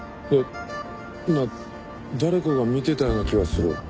いや今誰かが見てたような気がする。